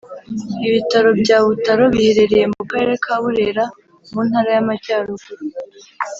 Ibitaro bya Butaro biherereye mu karere ka Burera mu Ntara y’Amajyaruguru